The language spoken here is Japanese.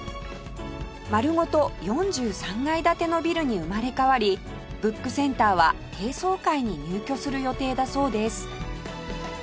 丸ごと４３階建てのビルに生まれ変わりブックセンターは低層階に入居する予定だそうです